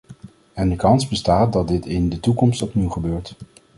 En de kans bestaat dat dit in de toekomst opnieuw gebeurt.